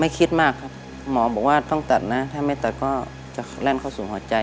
คิดมากครับหมอบอกว่าต้องตัดนะถ้าไม่ตัดก็จะแล่นเข้าสู่หัวใจ